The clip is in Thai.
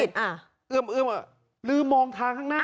เอื้อมเอื้อมเริ่มมองทางข้างหน้า